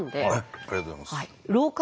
ありがとうございます。